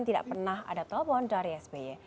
tidak pernah ada telepon dari sby